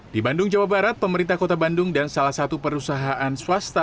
di bandung jawa barat pemerintah kota bandung dan salah satu perusahaan swasta